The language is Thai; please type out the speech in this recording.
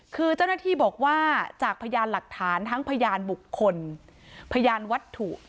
คือเจ้าหน้าที่บอกว่าจากพยานหลักฐานทั้งพยานบุคคลพยานวัตถุ